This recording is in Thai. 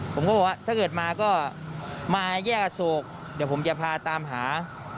ผมก็บอกว่าถ้าเกิดมาก็มาแยกอโศกเดี๋ยวผมจะพาตามหา